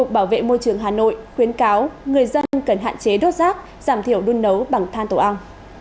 bộ trưởng hà nội khuyến cáo người dân cần hạn chế đốt rác giảm thiểu đun nấu bằng than tổ ăn